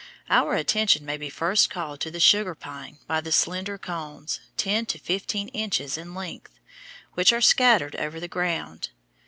Our attention may be first called to the sugar pine by the slender cones, ten to fifteen inches in length, which are scattered over the ground.